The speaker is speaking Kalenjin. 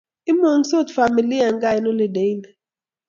imungsoot famili en kaa eng oliday ni